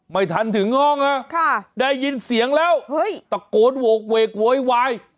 ไม่ทันถึงห้องนะได้ยินเสียงแล้วตะโกนโหกเวกโวยวาย